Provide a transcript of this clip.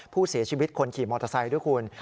ผู้เสียชีวิตคนขี่มอเตอร์ไซค์ด้วยคุณ